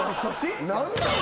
何なん？